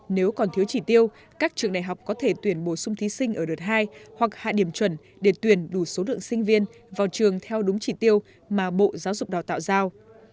nếu còn thiếu chỉ tiêu các trường đại học có thể tuyển bổ sung thí sinh ở đợt hai hoặc hạ điểm chuẩn để tuyển đủ số lượng sinh viên vào trường theo đúng chỉ tiêu mà bộ giáo dục đào tạo giao